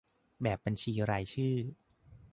แบบบัญชีรายชื่อ